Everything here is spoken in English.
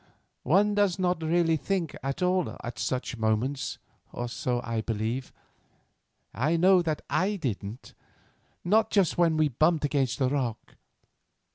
One does not really think at all at such moments, or so I believe. I know that I didn't, not just when we bumped against the rock.